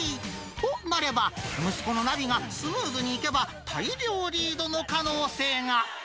となれば、息子のナビがスムーズにいけば、大量リードの可能性が。